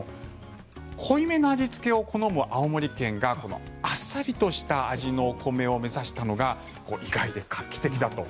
濃い目の味付けを好む青森県があっさりとした味の米を目指したのが意外で画期的だと。